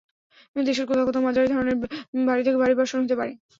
দেশের কোথাও কোথাও মাঝারি ধরনের ভারী থেকে ভারী বর্ষণ হতে পারে।